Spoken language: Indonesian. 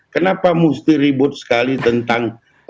kenapa mesti ribut sekali tentang